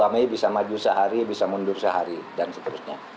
dua puluh mei bisa maju sehari bisa mundur sehari dan seterusnya